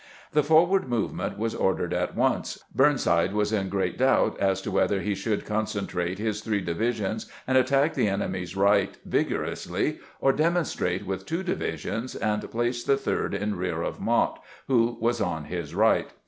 The forward movement was ordered at once. Burn side was in great doubt as to whether he should con centrate his three divisions and attack the enemy's right vigorously, or demonstrate with two divisions, and place the third in rear of Mott, who was on his right.